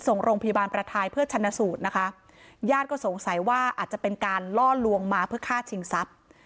ส่งโรงพยาบาลประทายเพื่อชนะสูตรนะคะญาติก็สงสัยว่าอาจจะเป็นการล่อลวงมาเพื่อฆ่าชิงทรัพย์